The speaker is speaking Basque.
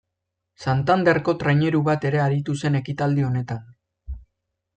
Santanderko traineru bat ere aritu zen ekitaldi honetan.